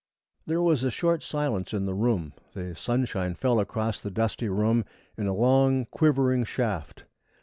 There was a short silence in the room. The sunshine fell across the dusty room in a long, quivering shaft.